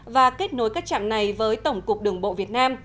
và kết nối các trạm này với tổng cục đường bộ việt nam